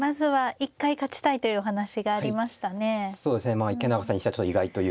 まあ池永さんにしてはちょっと意外というか。